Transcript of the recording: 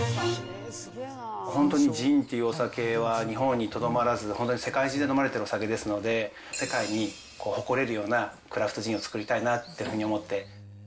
本当にジンっていうお酒は日本にとどまらず、本当に世界中で飲まれてるお酒ですので、世界に誇れるようなクラフトジンを造りたいなというふうに思って。